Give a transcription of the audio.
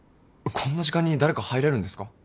こんな時間に誰か入れるんですか？